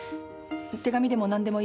手紙でも何でもいい。